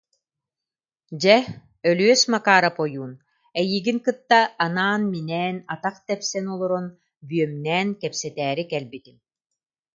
Дьэ, Өлүөс Макаарап ойуун, эйигин кытта анаан-минээн, атах тэпсэн олорон бүөмнээн кэпсэтээри кэлбитим